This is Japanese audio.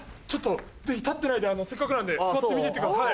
ぜひ立ってないでせっかくなんで座って見てってください。